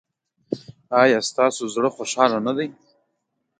ایا ستاسو زړه خوشحاله نه دی؟